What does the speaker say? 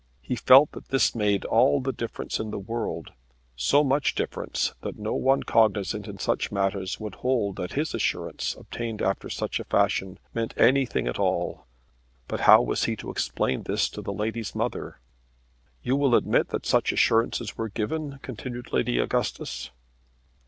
He felt that this made all the difference in the world; so much difference that no one cognisant in such matters would hold that his assurance, obtained after such a fashion, meant anything at all. But how was he to explain this to the lady's mother? "You will admit that such assurances were given?" continued Lady Augustus.